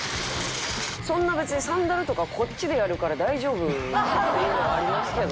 そんな別にサンダルとかこっちでやるから大丈夫っていうのはありますけどね。